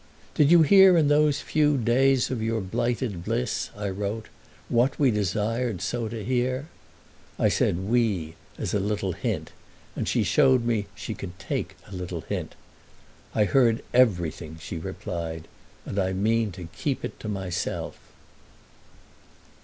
"Did you hear in those few days of your blighted bliss," I wrote, "what we desired so to hear?" I said, "we," as a little hint and she showed me she could take a little hint; "I heard everything," she replied, "and I mean to keep it to myself!"